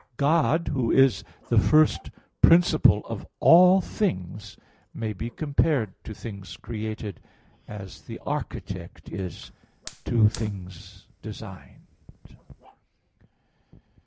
God, Who is the first principle of all things, may be compared to things created as the architect is to things designed.